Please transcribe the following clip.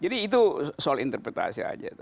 jadi itu soal interpretasi saja